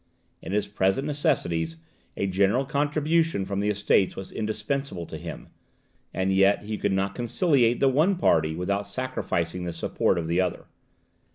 In his present necessities a general contribution from the Estates was indispensable to him; and yet he could not conciliate the one party without sacrificing the support of the other.